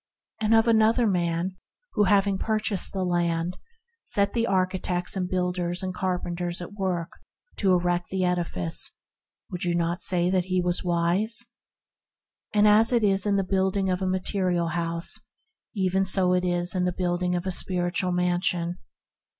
And of another man, who having purchased the land, set the architects and builders and carpenters at work to erect the edifice, would you not say that he was wise ? As it is in the building of a material house, even so is it in the building of a spiritual mansion.